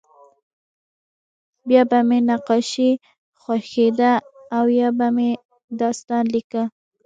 بیا به مې نقاشي خوښېده او یا به مې داستان لیکه